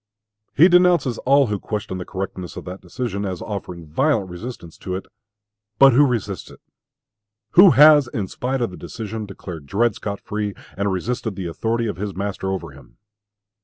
He denounces all who question the correctness of that decision, as offering violent resistance to it. But who resists it? Who has, in spite of the decision, declared Dred Scott free, and resisted the authority of his master over him?